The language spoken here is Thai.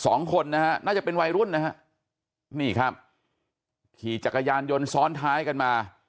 สองคนนะฮะน่าจะเป็นวัยรุ่นนะฮะนี่ครับขี่จักรยานยนต์ซ้อนท้ายกันมา